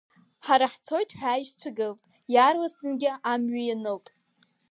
Ҳара ҳцоит ҳәа аишьцәа гылт, иаарласӡангьы амҩа ианылт.